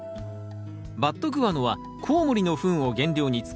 バットグアノはコウモリのフンを原料に作られた肥料。